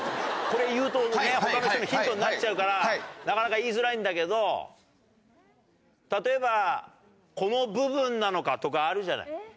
これ言うと他の人にヒントになっちゃうからなかなか言いづらいんだけど例えば「この部分なのか」とかあるじゃない。